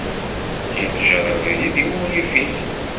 Injer abrid i wurrif-is.